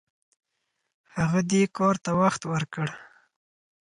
هغه دې کار ته وخت ورکړ.